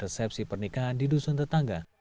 resepsi pernikahan di dusun tetangga